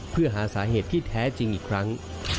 เพื่อหาสาเหตุที่แท้จริงอีกครั้ง